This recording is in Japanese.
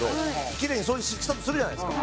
キレイに掃除したとするじゃないですか。